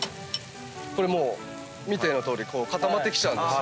これもう見てのとおり固まってきちゃうんですよね。